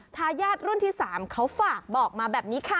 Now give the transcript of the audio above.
ทายาทรุ่นที่๓เขาฝากบอกมาแบบนี้ค่ะ